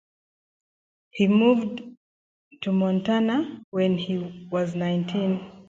He moved to Montana when he was nineteen.